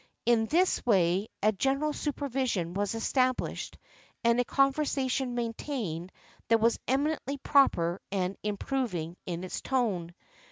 In this way a gen eral supervision was established and a conversation maintained that was eminently proper and im proving in its tone.